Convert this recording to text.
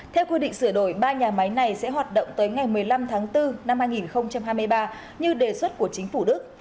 theo quy định sửa đổi ba nhà máy này sẽ hoạt động tới ngày một mươi năm tháng bốn năm hai nghìn hai mươi ba như đề xuất của chính phủ đức